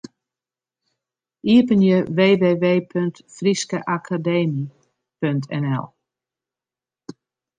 Iepenje www.fryskeakademy.nl.